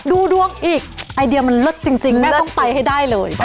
ดูดวงอีกไอเดียมันเลิศจริงแม่ต้องไปให้ได้เลย